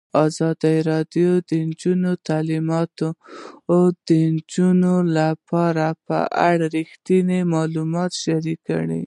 ازادي راډیو د تعلیمات د نجونو لپاره په اړه رښتیني معلومات شریک کړي.